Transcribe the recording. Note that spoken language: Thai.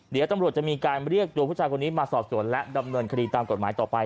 เดี๋ยวตำรวจจะมีการเรียกตัวผู้ชายคนนี้มาสอบสวนและดำเนินคดีตามกฎหมายต่อไป